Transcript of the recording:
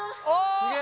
すげえ！